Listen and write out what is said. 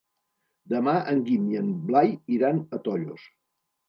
Demà en Guim i en Blai iran a Tollos.